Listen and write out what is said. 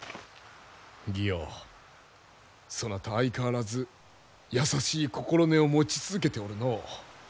妓王そなた相変わらず優しい心根を持ち続けておるのう。